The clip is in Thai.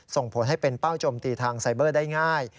ส่งผลให้เป็นเป้าจมตีทางไซเบอร์ได้ง่าย